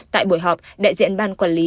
tại buổi họp đại diện ban quản lý